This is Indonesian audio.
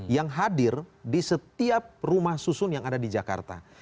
yang hadir di setiap rumah susun yang ada di jakarta